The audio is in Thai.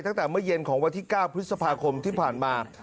ตั้งแต่เมื่อเย็นของวันที่๙พฤษภาคมที่ผ่านมา